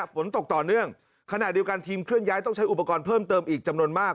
ฝนตกต่อเนื่องขณะเดียวกันทีมเคลื่อนย้ายต้องใช้อุปกรณ์เพิ่มเติมอีกจำนวนมาก